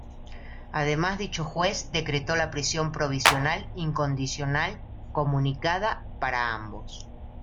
Además, dicho juez decretó la prisión provisional incondicional, comunicada, para ambos.